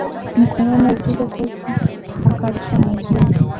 Mkoloni alikuja kwetu akaleta mazuri